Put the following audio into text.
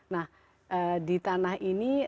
nah di tanah ini